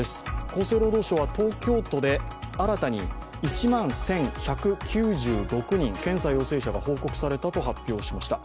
厚生労働省は東京都で新たに１万１１９６人、検査、陽性者が報告されたと発表しました。